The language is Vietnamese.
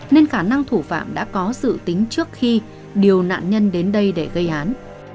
nên khả năng thủ phạm đã có dự tính trước khi điều nạn nhân đến đây để gây án